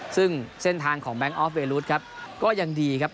ซึ่งเส้นทางของแบงค์ออฟเวรุฑครับก็ยังดีครับ